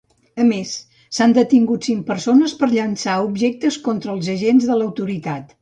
A més, s'han detingut cinc persones per llançar objectes contra els agents de l'autoritat.